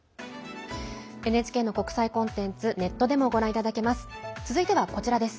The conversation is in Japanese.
ＮＨＫの国際コンテンツネットでもご覧いただけます。